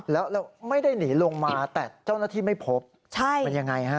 แล้วไม่ได้หนีลงมาแต่เจ้าหน้าที่ไม่พบมันยังไงฮะ